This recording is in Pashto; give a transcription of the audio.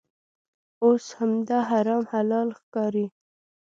اوس همدا حرام حلال ښکاري.